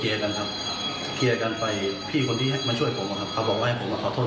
รักแล้วหลังจากนั้นเราก็ขอโทษ